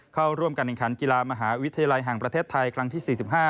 เข้าร่วมการแข่งขันกีฬามหาวิทยาลัยแห่งประเทศไทยครั้งที่๔๕